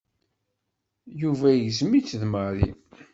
Yuba igzem-itt d Mary.